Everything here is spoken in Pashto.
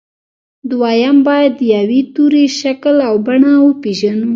دويم بايد د يوه توري شکل او بڼه وپېژنو.